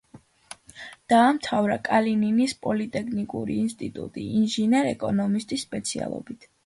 დაამთავრა კალინინის პოლიტექნიკური ინსტიტუტი ინჟინერ-ეკონომისტის სპეციალობით.